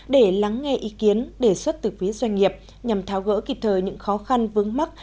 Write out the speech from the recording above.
để lắng nghe ý kiến đề xuất từ phía doanh nghiệp nhằm tháo gỡ kịp thời những khó khăn vướng mắc